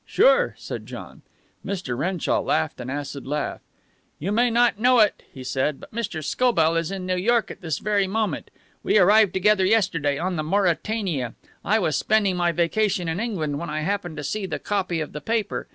"Sure," said John. Mr. Renshaw laughed an acid laugh. "You may not know it," he said, "but Mr. Scobell is in New York at this very moment. We arrived together yesterday on the Mauretania. I was spending my vacation in England when I happened to see the copy of the paper.